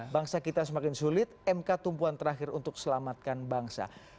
bangsa kita semakin sulit mk tumpuan terakhir untuk selamatkan bangsa